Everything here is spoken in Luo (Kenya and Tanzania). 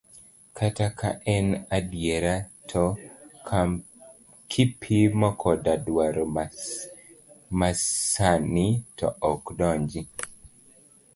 Kata ka en adiera, to kipimo koda dwaro masani, to ok donji.